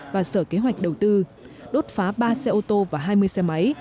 và sở kế hoạch đầu tư đốt phá ba xe ô tô và hai mươi xe máy